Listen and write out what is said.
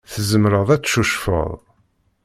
Tzemreḍ ad tcucfeḍ.